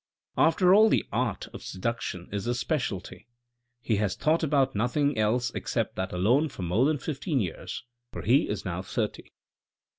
" After all the art of seduction is his speciality. He has thought about nothing else except that alone for more than fifteen years, for he is now thirty.